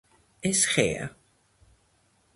ეს ხეა